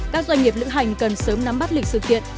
các doanh nghiệp lữ hành cần sớm nắm bắt lịch sự kiện